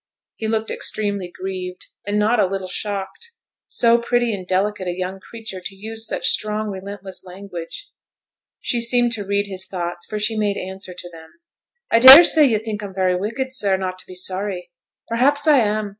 He looked extremely grieved, and not a little shocked. So pretty and delicate a young creature to use such strong relentless language! She seemed to read his thoughts, for she made answer to them. 'I dare say you think I'm very wicked, sir, not to be sorry. Perhaps I am.